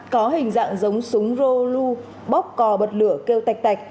có hình dạng giống súng ro lu bóc cò bật lửa kêu tạch tạch